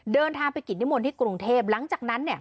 เดินทางไปกิจนิมนต์ที่กรุงเทพหลังจากนั้น